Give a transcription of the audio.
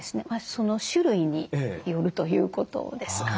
その種類によるということです。